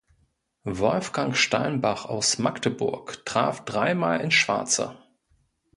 Wolfgang Steinbach aus Magdeburg traf dreimal ins Schwarze.